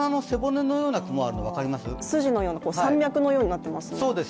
筋のような、山脈のようになっていますね。